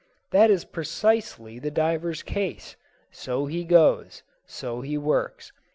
That is precisely the diver's case. So he goes; so he works.